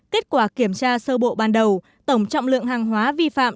kết quả kiểm tra sơ bộ ban đầu tổng trọng lượng hàng hóa vi phạm